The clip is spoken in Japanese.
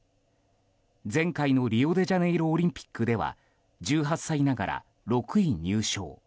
前回のリオデジャネイロオリンピックでは１８歳ながら６位入賞。